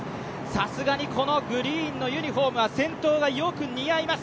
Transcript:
さすがにこのグリーンのユニフォームは先頭がよく似合います。